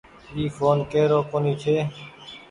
اي ڦون ڪيرو ڪونيٚ ڇي۔